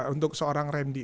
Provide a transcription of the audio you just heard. untuk seorang randy